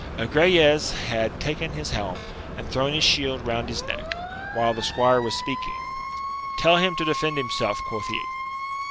Agrayes had taken his helm and thrown his shield round his neck, while the squire was speaking: tell him to defend himself! quoth he.